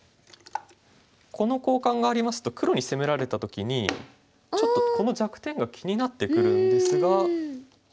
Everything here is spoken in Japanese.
この交換がありますと黒に攻められた時にちょっとこの弱点が気になってくるんですが。